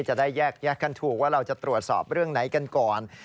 จะได้แยกกันถูกว่าเราจะตรวจสอบเรื่องไหนกันก่อน